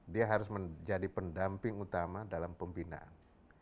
dia harus menjadi pendamping utama dalam pembinaan